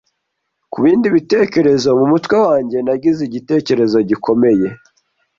kubindi bitekerezo mumutwe wanjye, nagize iki gitekerezo gikomeye--